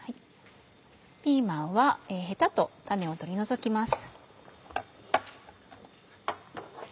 ピーマンはへたと種を取り除きます。